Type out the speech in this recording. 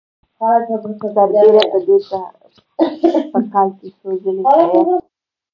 سربېره پر دې په کال کې څو ځلې سیاحت ته ځي